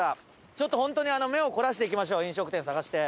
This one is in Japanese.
ちょっと本当に目を凝らして行きましょう飲食店探して。